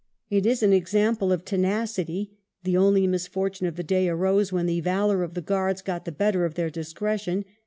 It is an example of tenacity, the only misfortune of the day arose when the valour of the Guards got the better of their discretion.